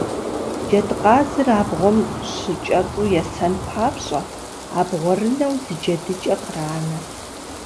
Джэдкъазыр абгъуэм щыкӏэцӏу есэн папщӏэ, абгъуэрынэу зы джэдыкӏэ къранэ.